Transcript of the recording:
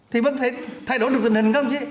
thì vẫn thể thay đổi được tình hình không chứ